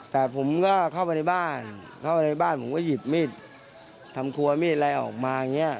แต่ผมก็เข้าไปในบ้านเข้าไปในบ้านผมก็หยิบมีดทำครัวมีดอะไรออกมาอย่างนี้